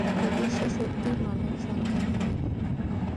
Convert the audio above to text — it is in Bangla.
যদি সে সত্যিই মানব সন্তান হয়?